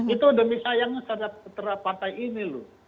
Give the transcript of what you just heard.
itu demi sayangnya saya terpantai ini loh